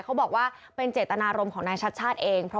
เขาบอกว่าเป็นเจตอรมณ์ของแดงชัดเอง